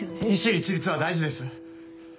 医手一律は大事です。